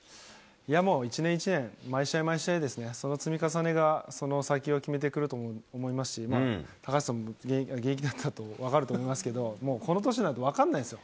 もう一年一年、毎試合、毎試合ですね、その積み重ねがその先を決めてくれると思いますし、高橋さんも現役だったので分かると思いますけど、もうこの年になると分かんないですよ。